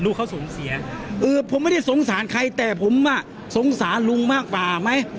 เขาสูญเสียเออผมไม่ได้สงสารใครแต่ผมอ่ะสงสารลุงมากกว่าไหม